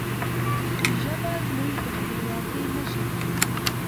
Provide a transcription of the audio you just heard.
ژبه زموږ د خپلواکی نښه ده.